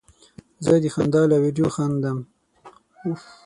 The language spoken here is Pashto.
زه د خندا له ویډیو خندم.